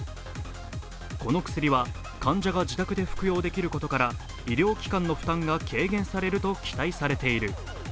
この薬は、患者が自宅で服用できることから医療機関の負担が軽減されると期待されている。